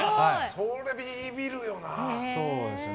それビビるよな。